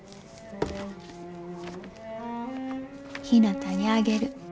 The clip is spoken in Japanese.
．ひなたにあげる。